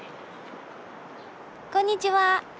こんにちは。